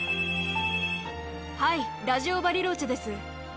はい、ラジオ・バリローチェです。